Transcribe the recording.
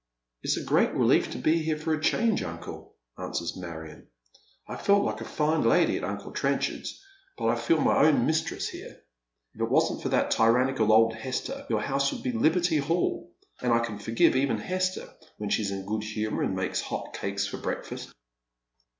" It is a great relief to ke here for a change, uncle," answers Marioo. " 1 felt a tine lady Pt uncle Trenchard's, but I feel my The Return of the Prodigal. 63 Own mistress here. If it wasn't for that tyrannical old Hester, your house would be liberty hall ; and I can forgive even Hester when she is in a good humour and makes hot cakes for breakfast."